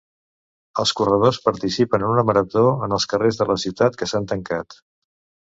Els corredors participen en una marató en els carrers de la ciutat que s'han tancat.